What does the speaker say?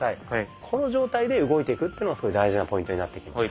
この状態で動いていくっていうのがすごい大事なポイントになってきます。